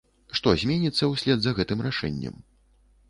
Што зменіцца ўслед за гэтым рашэннем?